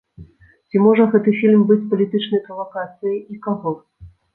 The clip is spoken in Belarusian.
Ці можа гэты фільм быць палітычнай правакацыяй і каго?